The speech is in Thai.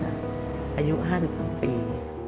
อายุ๕๒ปี